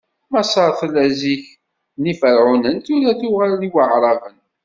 Maṣer tella zik n Yiferɛunen, tura tuɣal i Waɛraben.